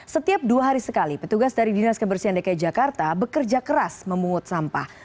setiap dua hari sekali petugas dari dinas kebersihan dki jakarta bekerja keras memungut sampah